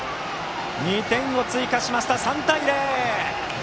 ２点を追加しました、３対０！